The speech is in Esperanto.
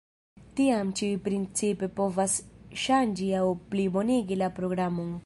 Tiam ĉiuj principe povas ŝanĝi aŭ plibonigi la programon.